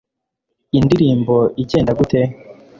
indirimbo igenda gute